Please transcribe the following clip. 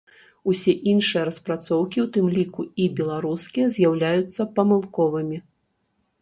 Усе іншыя распрацоўкі, у тым ліку і беларускія, з'яўляюцца памылковымі.